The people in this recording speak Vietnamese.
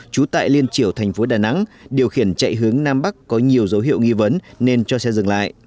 trú tại liên triểu thành phố đà nẵng điều khiển chạy hướng nam bắc có nhiều dấu hiệu nghi vấn nên cho xe dừng lại